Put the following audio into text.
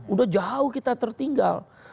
udah jauh kita tertinggal